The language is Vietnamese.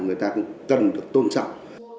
người ta cần được tôn trọng